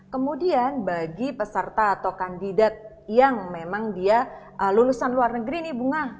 kemudian bagi peserta atau kandidat yang memang dia lulusan luar negeri nih bunga